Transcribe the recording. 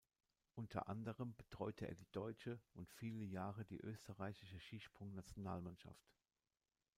Unter anderem betreute er die deutsche und viele Jahre die österreichische Skisprung-Nationalmannschaft.